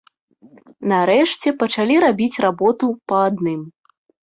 Нарэшце пачалі рабіць работу па адным.